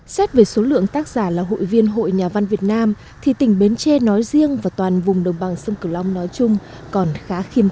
xét về số lượng tác giả là hội viên hội nhà văn việt nam thì tỉnh bến tre nói riêng và toàn vùng đồng bằng sông cửu long nói chung còn khá khiêm tố